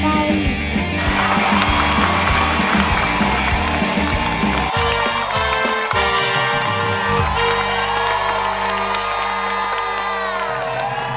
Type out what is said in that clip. บรรเวอร์